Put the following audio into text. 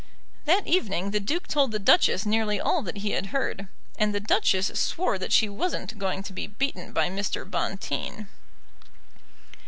That evening the Duke told the Duchess nearly all that he had heard, and the Duchess swore that she wasn't going to be beaten by Mr. Bonteen.